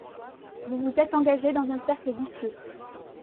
Vous vous êtes engagé dans un cercle vicieux